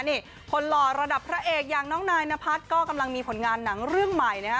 นี่คนหล่อระดับพระเอกอย่างน้องนายนพัฒน์ก็กำลังมีผลงานหนังเรื่องใหม่นะฮะ